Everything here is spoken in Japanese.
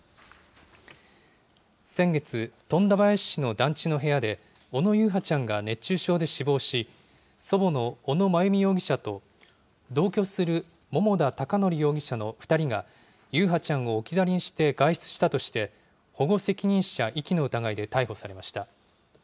先月、富田林市の団地の部屋で、小野優陽ちゃんが熱中症で死亡し、祖母の小野真由美容疑者と、同居する桃田貴徳容疑者の２人が、優陽ちゃんを置き去りにして外出したとして、保護責任者遺棄の疑いで逮捕されました。